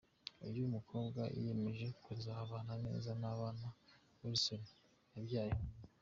Uyu mukobwa yiyemeje kuzabana neza n'abana Weasel yabyaye hanze.